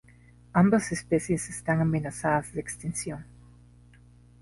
Ambas especies están amenazadas de extinción.